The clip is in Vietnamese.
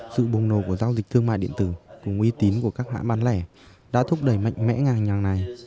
sự bùng nổ của giao dịch thương mại điện tử cùng uy tín của các hãng bán lẻ đã thúc đẩy mạnh mẽ ngành hàng này